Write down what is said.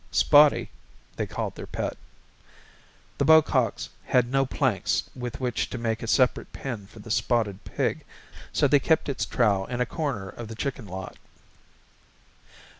"Spotty," they called their pet. The Bococks had no planks with which to make a separate pen for the spotted pig so they kept its trough in a corner of the chicken lot.